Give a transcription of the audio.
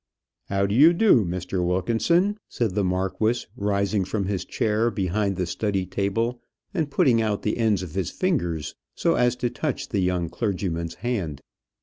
"How do you do, Mr. Wilkinson?" said the marquis, rising from his chair behind the study table, and putting out the ends of his fingers so as to touch the young clergyman's hand.